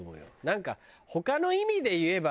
なんか他の意味で言えば